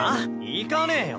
行かねぇよ。